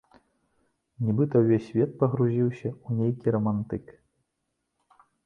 Нібыта ўвесь свет пагрузіўся ў нейкі рамантык.